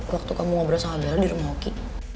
waktu kamu ngobrol sama bella di rumah oki